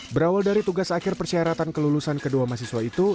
berawal dari tugas akhir persyaratan kelulusan kedua mahasiswa itu